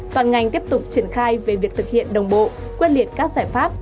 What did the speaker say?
toàn ngành tiếp tục triển khai về việc thực hiện đồng bộ quyết liệt các giải pháp